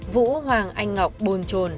vũ hoàng anh ngọc bồn trồn